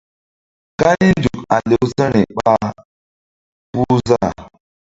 Kani nzuk a lewsa̧ri ɓa puh záh.